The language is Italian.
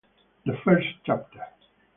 The First Chapter